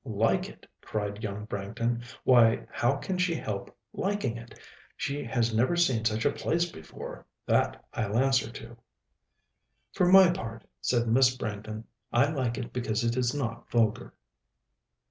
"Like it!" cried young Branghton; "why, how can she help liking it? She has never seen such a place before, that I'll answer for." "For my part," said Miss Branghton, "I like it because it is not vulgar."